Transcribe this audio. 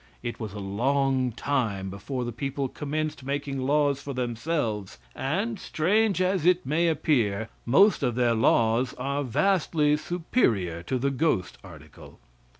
It was a long time before the people commenced making laws for themselves, and, strange as it may appear, most of their laws are vastly superior to the ghost article.